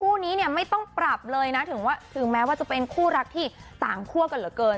คู่นี้เนี่ยไม่ต้องปรับเลยนะถึงแม้ว่าจะเป็นคู่รักที่ต่างคั่วกันเหลือเกิน